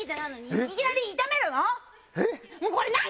もうこれ何？